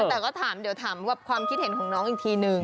แต่ก็ถามเดี๋ยวถามความคิดเห็นของน้องอีกทีนึง